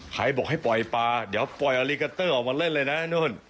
ใครบอกให้ปล่อยปลาเดี๋ยวปล่อยอลีกาเตอร์ออกมาเล่นเลยนะนู่น